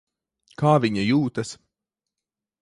Kā viņa jūtas?